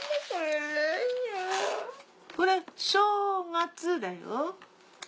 これ「正月」だよ。